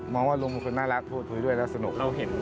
มองว่าลุงเป็นน่ารักพูดด้วยและสนุก